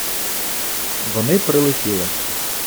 Вони прилетіли.